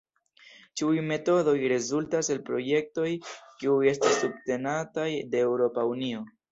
Ĉiuj metodoj rezultas el projektoj kiuj estas subtenataj de Eŭropa Unio.